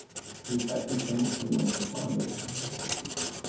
The effect is somewhat similar to flounders.